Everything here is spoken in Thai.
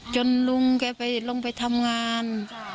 จนลุงแกไปลงไปทำงาน